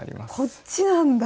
こっちなんだ！